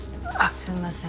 すみません。